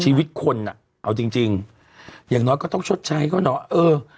ชีวิตคนอ่ะเอาจริงจริงอย่างน้อยก็ต้องชดใช้เขาเนอะเออ